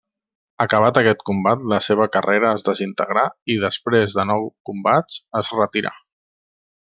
Acabat aquest combat la seva carrera es desintegrà i després de nou combats es retirà.